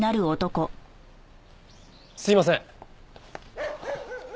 すいません。